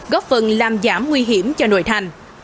góp phần làm giảm nguy hiểm cho nội thành